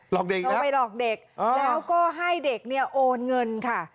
ลอกเด็กนะครับโทรไปหลอกเด็กแล้วให้เด็กโอนเงินค่ะ